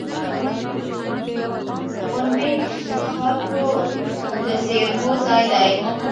• غونډۍ د خاورو د زېرمو ځای دی.